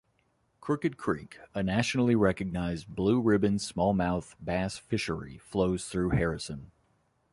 Crooked Creek, a nationally recognized "Blue Ribbon" smallmouth bass fishery, flows through Harrison.